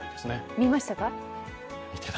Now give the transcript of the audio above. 見ましたか？